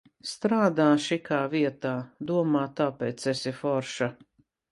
Strādā šikā vietā, domā, tāpēc esi forša.